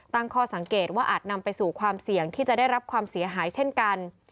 ตั้งข้อสังเกตว่าอาจนำไปสู่ความเสี่ยงที่จะได้รับความเสียหายเช่นกัน